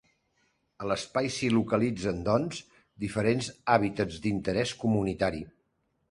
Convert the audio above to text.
A l’espai s’hi localitzen doncs diferents hàbitats d’interès comunitari.